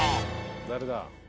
誰だ？